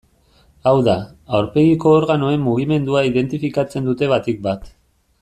Hau da, aurpegiko organoen mugimendua identifikatzen dute batik bat.